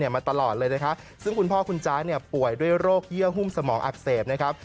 มาตลอดเลยนะคะซึ่งคุณพ่อคุณจ๊ะป่วยด้วยโรคเยื่อหุ้มสมองอักเสบนะครับ